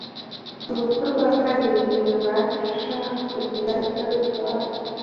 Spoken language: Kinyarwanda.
urupfu rwa kabiri ntirubasha kugira icyo rutwara